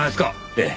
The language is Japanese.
ええ。